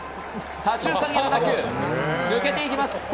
左中間へ打球が抜けていきます！